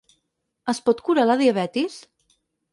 Es pot curar la diabetis?